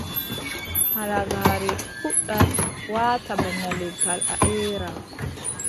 Halagaare fuɗɗan waata bana legal, a eera.